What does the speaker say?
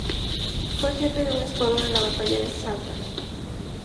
Fue jefe de un escuadrón en la batalla de Salta.